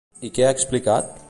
I què ha explicat?